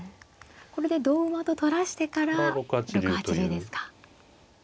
これで同馬と取らしてから６八竜ですか。